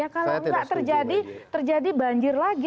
kalau nggak terjadi terjadi banjir lagi